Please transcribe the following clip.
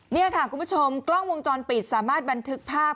นี่ค่ะคุณผู้ชมกล้องวงจรปิดสามารถบันทึกภาพ